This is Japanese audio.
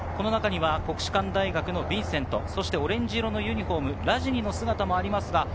国士館大学のヴィンセント、オレンジ色のユニホーム、ラジニの姿もあります。